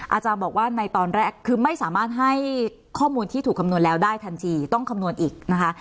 อาจารย์บอกว่าในตอนแรกคือไม่สามารถให้ข้อมูลที่ถูกคำนวณแล้วได้ทันทีต้องคำนวณอีกนะคะ